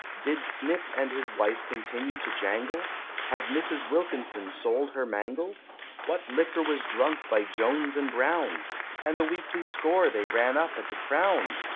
Did Snip and his wife continue to jangle? Had Mrs. Wilkinson sold her mangle? What liquor was drunk by Jones and Brown? And the weekly score they ran up at the Crown?